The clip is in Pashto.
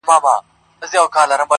په ټول تاريخ کي تل-